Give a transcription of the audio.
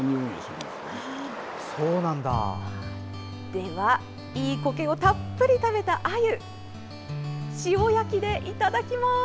では、いいコケをたっぷり食べたアユ塩焼きでいただきます。